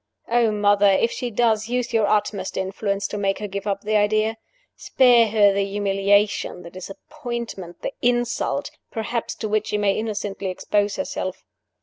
Oh, mother (if she do), use your utmost influence to make her give up the idea! Spare her the humiliation, the disappointment, the insult, perhaps, to which she may innocently expose herself.